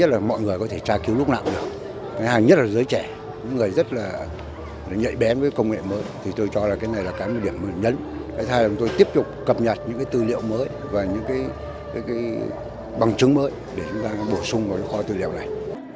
tôi cho là cái này là cái điểm nhất thay đổi tôi tiếp tục cập nhật những tư liệu mới và những bằng chứng mới để chúng ta bổ sung vào kho tư liệu này